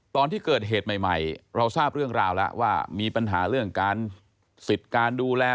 ตอนที่เกิดเหตุใหม่เราทราบเรื่องราวแล้วว่ามีปัญหาเรื่องการสิทธิ์การดูแล